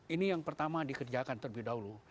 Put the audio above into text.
ini yang pertama dikerjakan terlebih dahulu